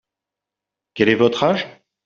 Quel est votre âge ?